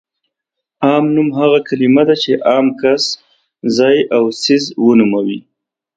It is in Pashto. عام نوم هغه کلمه ده چې عام کس، ځای او څیز ونوموي.